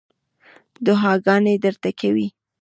دعاګانې درته کوي.